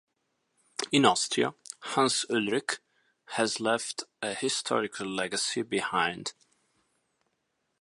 In Austria, Hans Ulrich has left a historical legacy behind.